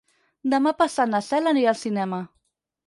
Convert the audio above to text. Demà passat na Cel anirà al cinema.